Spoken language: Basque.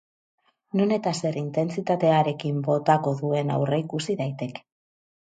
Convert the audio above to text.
Non eta zer intentsitatearekin botako duen aurreikusi daiteke.